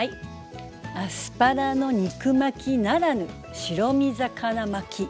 アスパラの肉巻きならぬ白身魚巻き。